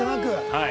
はい。